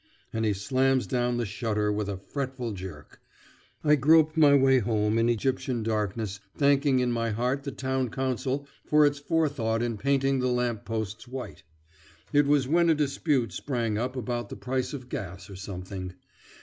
And he slams down the shutter with a fretful jerk. I grope my way home in Egyptian darkness, thanking in my heart the town council for its forethought in painting the lamp posts white. It was when a dispute sprang up about the price of gas, or something.